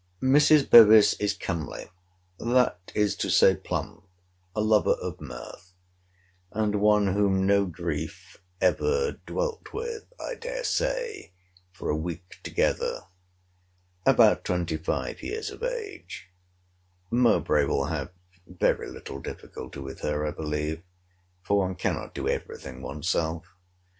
Mrs. Bevis is comely; that is to say, plump; a lover of mirth, and one whom no grief ever dwelt with, I dare say, for a week together; about twenty five years of age: Mowbray will have very little difficulty with her, I believe; for one cannot do every thing one's self.